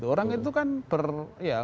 orang itu kan ya